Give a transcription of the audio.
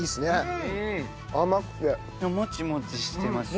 モチモチしてますしね。